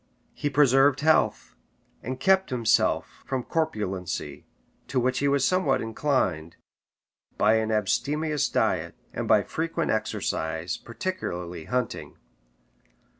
He preserved health, and kept himself from corpulency, to which he was somewhat inclined, by an abstemious diet, and by frequent exercise, particularly hunting.